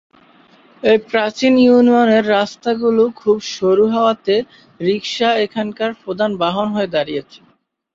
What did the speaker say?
এই প্রাচীন ইউনিয়নের রাস্তাগুলো খুব সরু হওয়াতে রিকশা এখানকার প্রধান বাহন হয়ে দাঁড়িয়েছে।